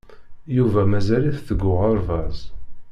Yuba mazal-it deg uɣerbaz.